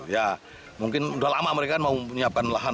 ya mungkin udah lama mereka mau menyiapkan lahan